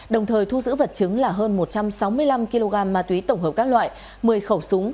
đồng thời thu giữ vật chứng là hơn một trăm sáu mươi năm kg ma túy tổng hợp các loại một mươi khẩu súng